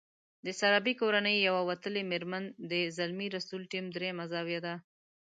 د سرابي کورنۍ يوه وتلې مېرمن د زلمي رسول ټیم درېيمه زاویه ده.